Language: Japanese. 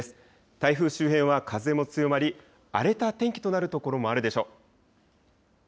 台風周辺は風も強まり荒れた天気となる所もあるでしょう。